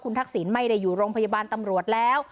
ทักษิณไม่ได้อยู่โรงพยาบาลตำรวจแล้ว